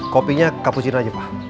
kopinya cappuccino aja pah